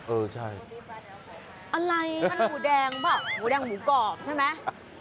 เออใช่อะไรมันหมูแดงป่ะหมูแดงหมูกรอบใช่ไหม